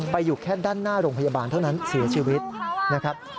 อยู่แค่ด้านหน้าโรงพยาบาลเท่านั้นเสียชีวิตนะครับ